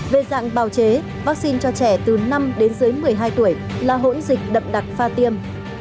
về dạng bào chế vaccine cho trẻ từ năm đến dưới một mươi hai tuổi là hỗn dịch đậm đặc pha tiêm